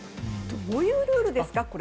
どういうルールですか、これ。